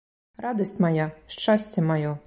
Радасць мая, шчасце маё.